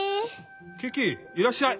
キキいらっしゃい。